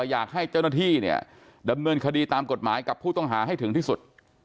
อยากให้เจ้าหน้าที่เนี่ยดำเนินคดีตามกฎหมายกับผู้ต้องหาให้ถึงที่สุด